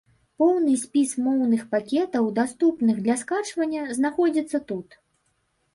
Поўны спіс моўных пакетаў, даступных для скачвання, знаходзіцца тут.